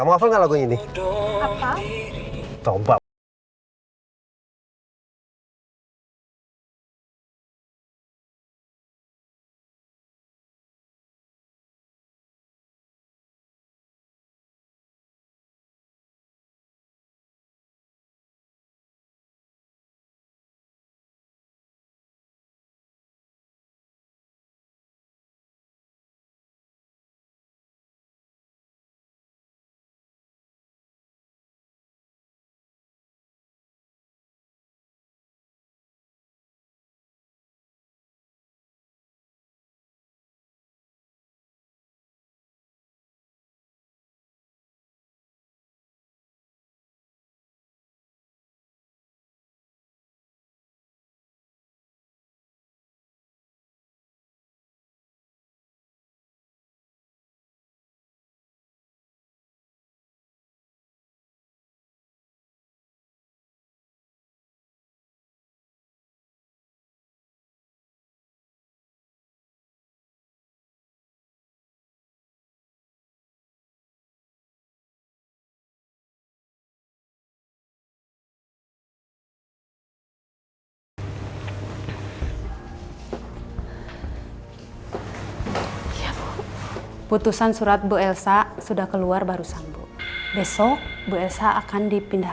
masuk nggak kangen sama aku sih